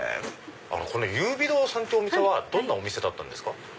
この優美堂さんってお店はどんなお店だったんですか？